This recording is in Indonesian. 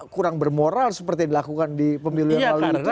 kurang bermoral seperti yang dilakukan di pemilihan lalu itu